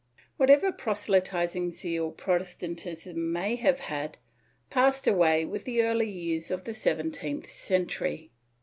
^ Whatever proselyting zeal Protestantism may have had passed away with the early years of the seventeenth century.